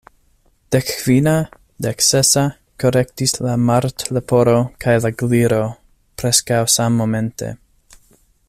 "Dekkvina," "Deksesa," korektis la Martleporo kaj la Gliro, preskaŭ sammomente.